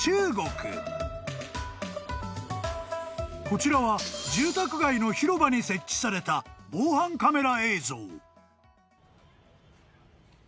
［こちらは住宅街の広場に設置された防犯カメラ映像］